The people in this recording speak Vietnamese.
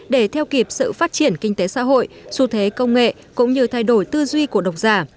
để theo kịp sự phát triển kinh tế xã hội xu thế công nghệ cũng như thay đổi tư duy của độc giả